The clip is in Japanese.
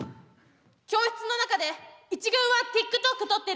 教室の中で１軍はＴｉｋＴｏｋ撮ってる。